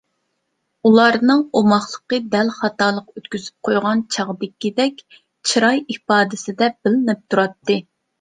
ئۇلارنىڭ ئوماقلىقى دەل خاتالىق ئۆتكۈزۈپ قويغان چاغدىكىدەك چىراي ئىپادىسىدە بىلىنىپ تۇراتتى.